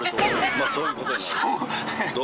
まあそういうことになる。